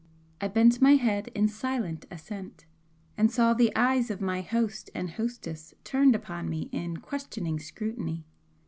I bent my head in silent assent, and saw the eyes of my host and hostess turned upon me in questioning scrutiny.